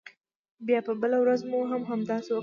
بیا بله ورځ مو هم همداسې وکړل.